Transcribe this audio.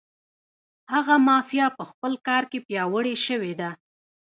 هغه مافیا په خپل کار کې پیاوړې شوې ده.